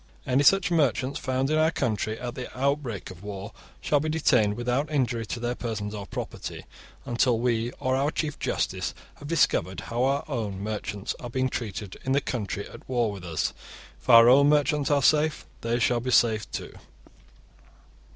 Any such merchants found in our country at the outbreak of war shall be detained without injury to their persons or property, until we or our chief justice have discovered how our own merchants are being treated in the country at war with us. If our own merchants are safe they shall be safe too.